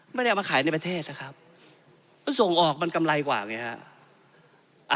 ไม่ได้เอามาขายในประเทศนะครับส่งออกมันกำไรกว่าอย่างเงี้ยฮะ